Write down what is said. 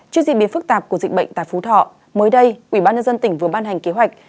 trước diễn biến phức tạp của dịch bệnh tại phú thọ mới đây ubnd tỉnh vừa ban hành kế hoạch